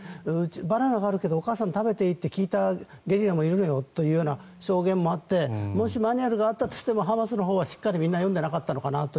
バナナがあるけどお母さん、食べていってと聞いたゲリラもいるんだという証言もあってもし、マニュアルがあったとしてもハマスのほうは読んでなかったのかなと。